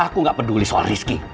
aku gak peduli soal rizki